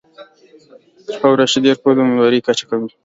شپه او ورځ شیدې ورکول د امیندوارۍ کچه کموي.